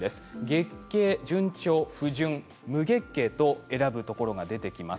月経順調、不順、無月経と選ぶところがあります。